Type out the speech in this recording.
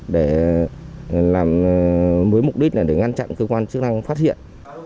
để làm với mục đích là để ngăn chặn cơ quan chức năng phát hiện